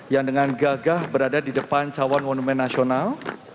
yang dengan gagah berada di depan cawan monumen nasional